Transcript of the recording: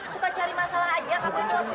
suka cari masalah aja kamu itu